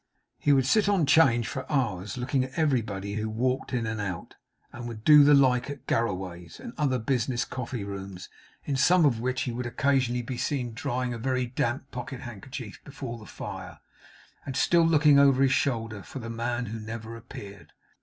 He would sit on 'Change for hours, looking at everybody who walked in and out, and would do the like at Garraway's, and in other business coffee rooms, in some of which he would be occasionally seen drying a very damp pocket handkerchief before the fire, and still looking over his shoulder for the man who never appeared.